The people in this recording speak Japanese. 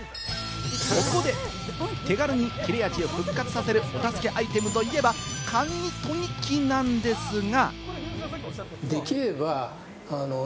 そこで手軽に切れ味を復活させるお助けアイテムといえば、簡易研ぎ器なんですが。